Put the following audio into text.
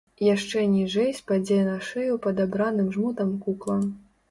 Яшчэ ніжэй спадзе на шыю падабраным жмутам кукла.